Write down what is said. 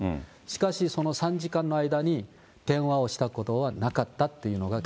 しかしその３時間の間に電話をしたことはなかったっていうのが。